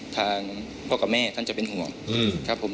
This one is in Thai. ทางพ่อกับแม่ท่านจะเป็นห่วง